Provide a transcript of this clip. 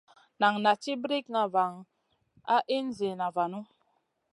Nan naʼ ci brikŋa van a in zida vanu.